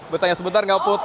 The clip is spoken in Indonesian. bertanya sebentar nggak put